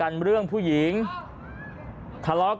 หัวหลัก